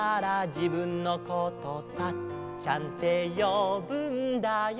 「じぶんのことサッちゃんてよぶんだよ」